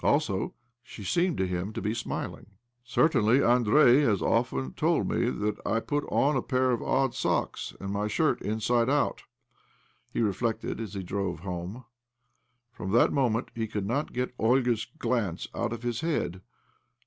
Also, she seemed to him to be smiling. " Certainly Andrei has often told me that I put on pairs of odd socks, and my shirt inside out," he reflected as he drove home. From that moment he could not get Olga's glance out of his head.